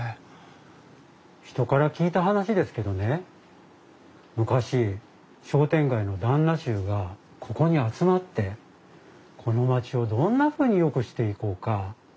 人から聞いた話ですけどね昔商店街の旦那衆がここに集まってこの街をどんなふうによくしていこうか話し合った場所らしいです。